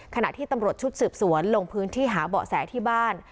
ขณะที่ตำรวจชุดสืบสวนลงพื้นที่หาเบาะแสที่บ้าน